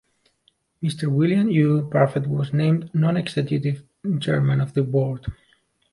Mr. William U. Parfet was named Non-Executive Chairman of the Board.